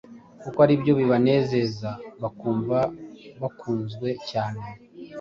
kuko ari byo bibanezeza bakumva bakunzwe cyane.